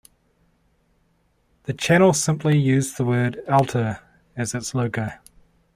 The channel simply used the word 'Alter' as its logo.